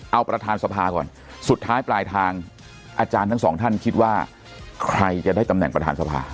เอาประธานสภาก่อนสุดท้ายปลายทางอาจารย์ทั้งสองท่านคิดว่าใครจะได้ตำแหน่งประธานสภา